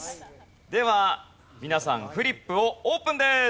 では皆さんフリップをオープンです。